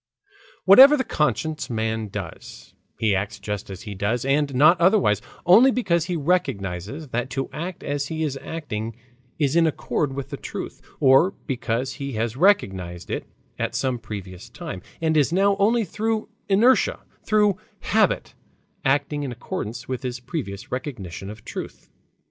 Whatever the conscious man does, he acts just as he does, and not otherwise, only because he recognizes that to act as he is acting is in accord with the truth, or because he has recognized it at some previous time, and is now only through inertia, through habit, acting in accordance with his previous recognition of truth.